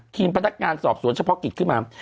ทีมพนักการณ์สอบโสนเฉพาะกิจขึ้นมา